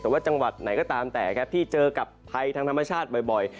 แต่ว่าจังหวัดไหนก็ตามแต่ครับที่เจอกับภัยทางธรรมชาติบ่อย